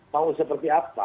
mau seperti apa